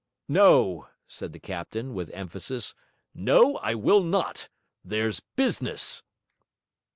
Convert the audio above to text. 'No!' said the captain, with emphasis; 'no, I will not! there's business.'